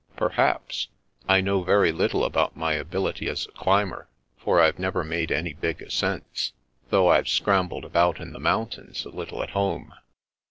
" Perhaps. I know very little about my ability as a climber, for I've never made any big ascents, though I've scrambled about in the mountains a little at home."